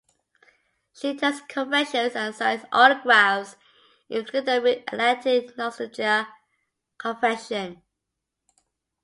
She attends conventions and signs autographs, including the Mid-Atlantic Nostalgia Convention.